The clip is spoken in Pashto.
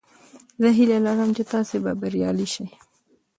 زه هیله لرم چې تاسې به بریالي شئ.